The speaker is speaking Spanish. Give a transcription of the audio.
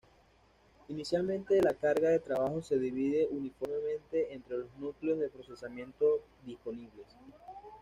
Inicialmente la carga de trabajo se divide uniformemente entre los núcleos de procesamiento disponibles.